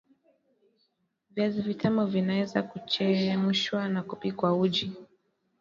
Viazi vitamu vinaweza Kuchemshwa na kupikwa uji